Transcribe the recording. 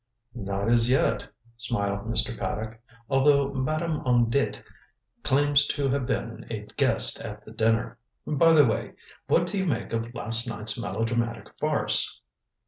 "Not as yet," smiled Mr. Paddock, "although Madame On Dit claims to have been a guest at the dinner. By the way, what do you make of last night's melodramatic farce?"